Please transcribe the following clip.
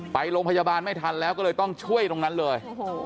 ไปโรงพยาบาลไม่ทันแล้วก็เลยต้องช่วยตรงนั้นเลย